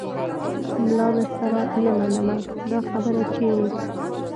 ملا درسره نه منمه دا خبره چیرې